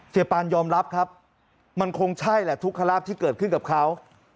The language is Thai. ปานยอมรับครับมันคงใช่แหละทุกขลาบที่เกิดขึ้นกับเขา